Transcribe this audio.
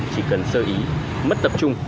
chỉ cần sơ ý mất tập trung